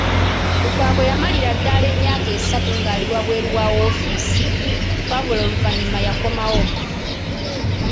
Lukwago yamalira ddala emyaka esatu ng’ali bweru wa woofiisi wabula oluvannyuma yakomawo.